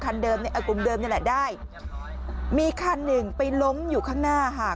เดิมเนี่ยกลุ่มเดิมนี่แหละได้มีคันหนึ่งไปล้มอยู่ข้างหน้าค่ะ